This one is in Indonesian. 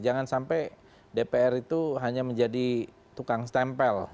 jangan sampai dpr itu hanya menjadi tukang stempel